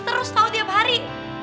terus tau tiap hari